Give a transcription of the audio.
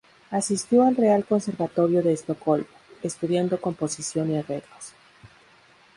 Asistió al Real Conservatorio de Estocolmo, estudiando composición y arreglos.